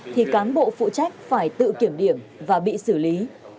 thì cán bộ phụ trách phải tự kiểm điểm và bị xử lý